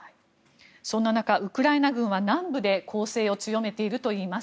そんな中、ウクライナ軍は南部で攻勢を強めているといいます。